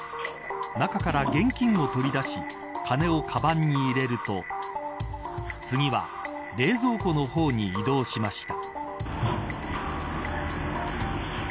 中から現金を取り出し金をかばんに入れると次は冷蔵庫の方に移動しました。